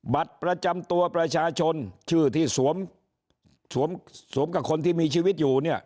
บัตรประจำตัวประชาชนชื่อที่สวมสวมกับคนที่มีชีวิตอยู่เนี่ย